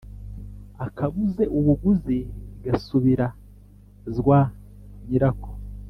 Akabuze ubuguzi gasubira (zwa) nyirako.